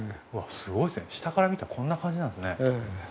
すごいですね下から見たらこんな感じなんですね。